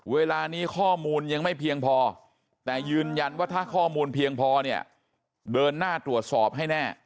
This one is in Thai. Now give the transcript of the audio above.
เวลานี้ข้อมูลยังไม่เพียงพอแต่ยืนยันว่าถ้าข้อมูลเพียงพอเนี่ยเดินหน้าตรวจสอบให้แน่